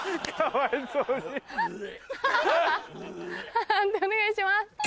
判定お願いします。